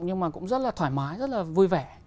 nhưng mà cũng rất là thoải mái rất là vui vẻ